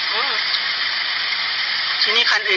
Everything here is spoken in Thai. ใครเป็นไรไหมพี่